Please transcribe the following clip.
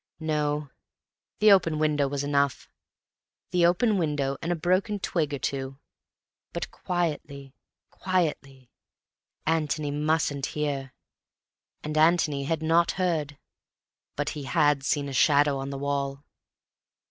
No, the open window was enough; the open window and a broken twig or two. But quietly, quietly. Antony mustn't hear. And Antony had not heard.... But he had seen a shadow on the wall.